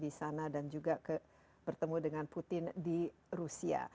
di sana dan juga bertemu dengan putin di rusia